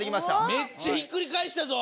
めっちゃひっくり返したぞ。